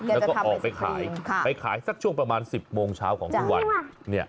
แล้วก็ออกไปขายไปขายสักช่วงประมาณ๑๐โมงเช้าของทุกวัน